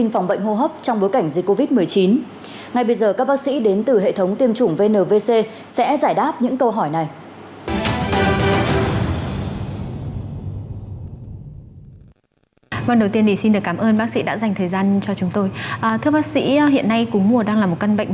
ngay bây giờ các bác sĩ đến từ hệ thống tiêm chủng vnvc sẽ giải đáp những câu hỏi này